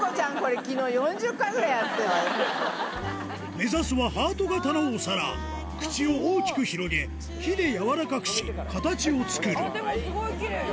目指すはハート形のお皿口を大きく広げ火でやわらかくし形を作るでもスゴいきれいよ。